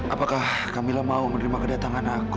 apakah kamila mau menerima kedatangan aku